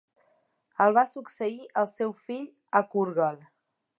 El va succeir el seu fill Akurgal.